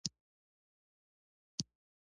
ده چې ماښام ځان را معرفي کړ.